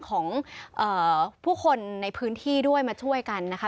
ของผู้คนในพื้นที่ด้วยมาช่วยกันนะคะ